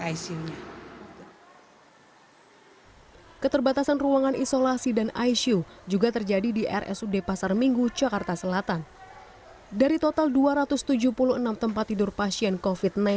isu juga terjadi di rsud pasar minggu jakarta selatan dari total dua ratus tujuh puluh enam tempat tidur pasien covid sembilan belas